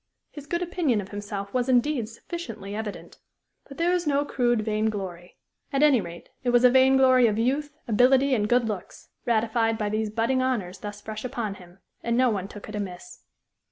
His good opinion of himself was indeed sufficiently evident; but there was no crude vainglory. At any rate, it was a vainglory of youth, ability, and good looks, ratified by these budding honors thus fresh upon him, and no one took it amiss.